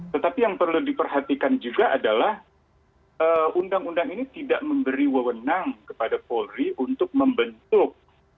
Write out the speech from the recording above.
tetapi yang perlu diperhatikan juga adalah undang undang ini tidak memberi wewenang kepada polri untuk membentuk